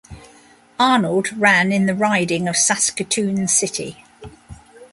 Arnold ran in the riding of Saskatoon City.